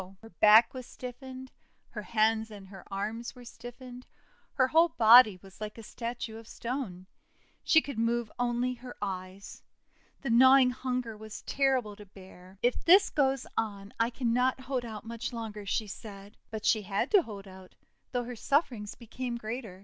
Her back was stiffened; her hands and her arms were stiffened; her whole body was like a statue of stone. She could move only her eyes. The gnawing hunger was terrible to bear. GIRL WHO TROD ON A LOAF 407 "If this goes on I cannot hold out much longer," she said. But she had to hold out, though her sufferings became greater.